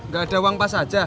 gak ada uang pas aja